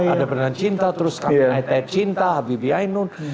ada benar cinta terus kami aitai cinta habibi ainun